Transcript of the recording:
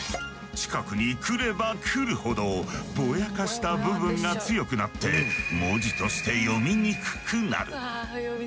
近くに来れば来るほどぼやかした部分が強くなって文字として読みにくくなる。